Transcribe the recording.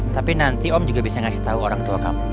tapi nanti om juga bisa ngasih tahu orang tua kamu